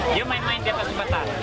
dia main main di atas batang